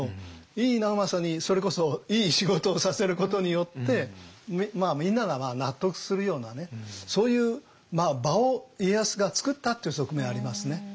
井伊直政にそれこそイイ仕事をさせることによってみんなが納得するようなねそういう場を家康がつくったという側面ありますね。